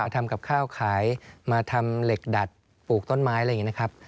ทำกับข้าวขายมาทำเหล็กดัดปลูกต้นไม้อะไรอย่างนี้นะครับ